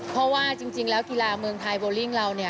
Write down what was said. เพราะว่าจริงแล้วกีฬาเมืองไทยบอลลิงค์เรา